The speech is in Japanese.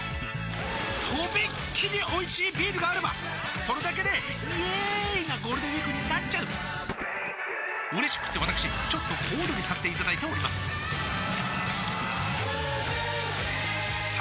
とびっきりおいしいビールがあればそれだけでイエーーーーーイなゴールデンウィークになっちゃううれしくってわたくしちょっと小躍りさせていただいておりますさあ